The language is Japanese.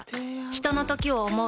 ひとのときを、想う。